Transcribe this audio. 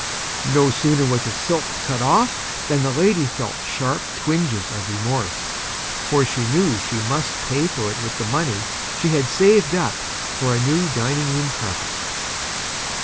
No Sooner was the Silk cut off than the Lady felt Sharp Twinges of Remorse, for she knew she must Pay for it with the Money she had Saved Up for a new Dining Room Carpet.